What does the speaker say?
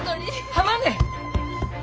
浜ね？